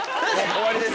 終わりです。